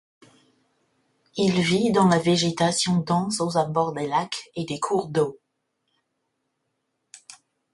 Il vit dans la végétation dense aux abords des lacs et des cours d'eau.